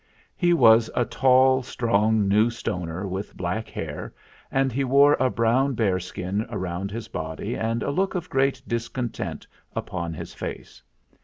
He was a tall strong New Stoner, with black hair, and he wore a brown bear skin round his body and a look of great discontent upon his face.